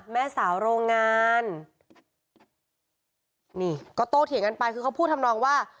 แม่สาวโรงงานนี่ก็โตเถียงกันไปคือเขาพูดทำนองว่า